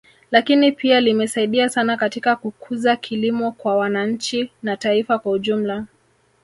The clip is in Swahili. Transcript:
Lakini pia limesaidia sana katika kukuza kilimo kwa wananchi na taifa kwa ujumla